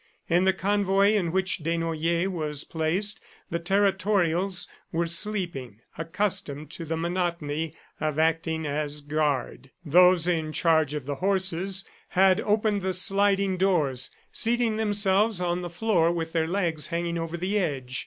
In the convoy in which Desnoyers was placed the Territorials were sleeping, accustomed to the monotony of acting as guard. Those in charge of the horses had opened the sliding doors, seating themselves on the floor with their legs hanging over the edge.